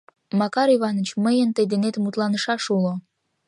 Макар Иваныч, мыйын тый денет мутланышаш уло.